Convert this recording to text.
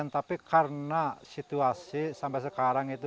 tapi karena situasi sampai sekarang itu